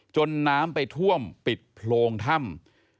น้ำไปท่วมปิดโพรงถ้ำ